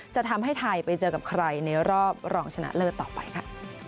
จะทำให้ไทยไปเจอกับใครในรอบรองชนะเลิศต่อไปค่ะ